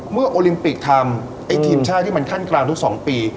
โอลิมปิกทำไอ้ทีมชาติที่มันขั้นกลางทุก๒ปี